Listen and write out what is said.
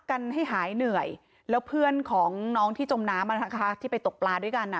กันให้หายเหนื่อยแล้วเพื่อนของน้องที่จมน้ำอ่ะนะคะที่ไปตกปลาด้วยกันอ่ะ